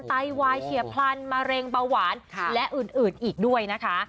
ไตวายเฉียบพลันมะเร็งเบาหวานและอื่นอีกด้วยนะคะ